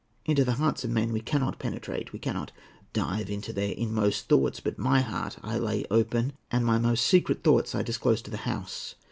Into the hearts of men we cannot penetrate; we cannot dive into their inmost thoughts; but my heart I lay open, and my most secret thoughts I disclose to the House.